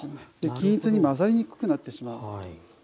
均一に混ざりにくくなってしまう。